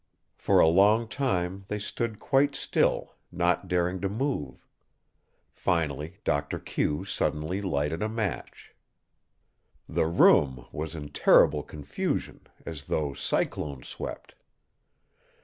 For a long time they stood quite still, not daring to move. Finally Doctor Q suddenly lighted a match. The room was in terrible confusion, as though cyclone swept.